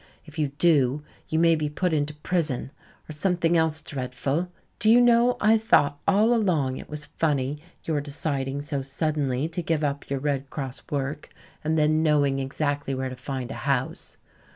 If you do, you may be put into prison, or something else dreadful. Do you know I thought all along it was funny your deciding so suddenly to give up your Red Cross work and then knowing exactly where to find a house.